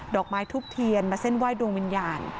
อกไม้ทุบเทียนมาเส้นไหว้ดวงวิญญาณ